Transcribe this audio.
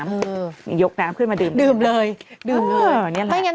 อย่างยกน้ำขึ้นมาดื่มดื่มเลยดื่มเลยใส่อีก